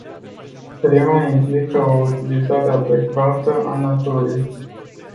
Prima implică o utilizare adecvată a naturii.